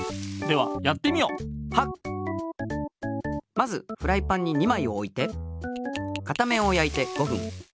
まずフライパンに２まいおいて片面をやいて５ふん。